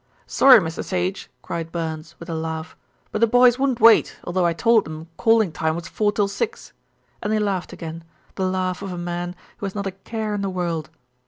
"Sorry, Mr. Sage," cried Burns, with a laugh; "but the boys wouldn't wait, although I told them calling time was four till six," and he laughed again, the laugh of a man who has not a care in the world.